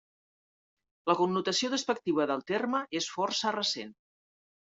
La connotació despectiva del terme és força recent.